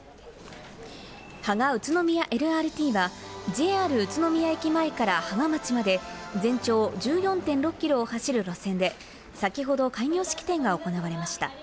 芳賀・宇都宮ＬＲＴはＪＲ宇都宮駅前から芳賀町まで全長１４．６キロを走る路線で、先ほど開業式典が行われました。